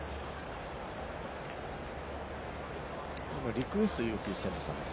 リクエスト要求しているんですかね？